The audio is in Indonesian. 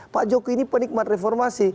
pak jokowi ini penikmat reformasi